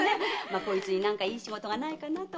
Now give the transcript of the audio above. こいつに何かいい仕事がないかなと思いまして。